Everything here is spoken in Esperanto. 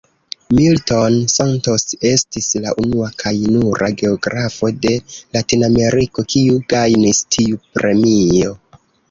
Milton Santos estis la unua kaj nura geografo de Latinameriko, kiu gajnis tiu premio.